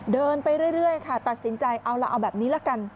เดินไปเรื่อยค่ะตัดสินใจเอาล่ะเอาแบบนี้ละกัน